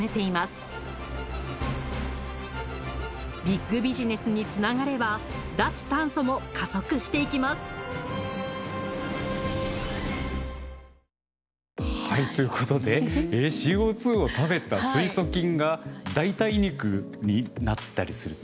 ビッグビジネスにつながれば脱炭素も加速していきますということでＣＯを食べた水素菌が代替肉になったりする。